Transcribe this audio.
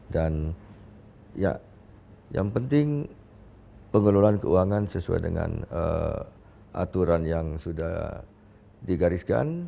dan ya yang penting pengelolaan keuangan sesuai dengan aturan yang sudah digariskan